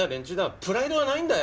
プライドがないんだよ！